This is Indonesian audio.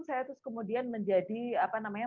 saya terus kemudian menjadi apa namanya